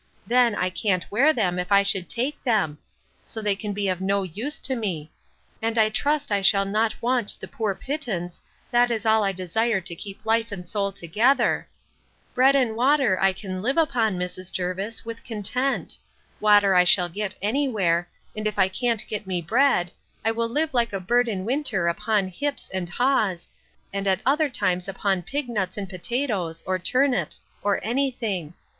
Then, I can't wear them, if I should take them; so they can be of no use to me: And I trust I shall not want the poor pittance, that is all I desire to keep life and soul together. Bread and water I can live upon, Mrs. Jervis, with content. Water I shall get any where; and if I can't get me bread, I will live like a bird in winter upon hips and haws, and at other times upon pig nuts and potatoes, or turnips, or any thing.